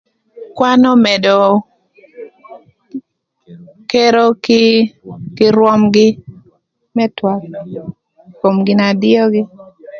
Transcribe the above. Kwan ömëdö kero kï rwömgï më twak ï kom gina dïögï